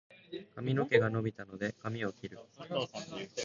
髪の毛が伸びたので、髪を切る。